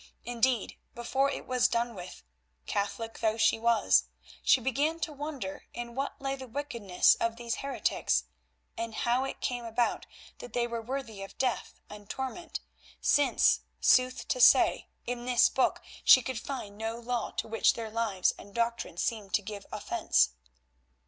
Indeed, before it was done with—Catholic though she was—she began to wonder in what lay the wickedness of these heretics, and how it came about that they were worthy of death and torment, since, sooth to say, in this Book she could find no law to which their lives and doctrine seemed to give offence.